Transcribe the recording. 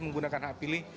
menggunakan hak pilih